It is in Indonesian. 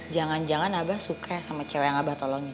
jangan jangan abah suka sama cewek yang abah tolongin